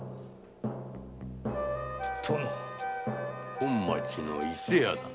本町の伊勢屋だな。